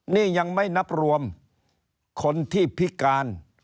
นี่ยังไม่นับรวมคนที่พิการ